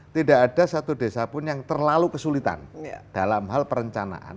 tidak ada satu desa pun yang terlalu kesulitan dalam hal perencanaan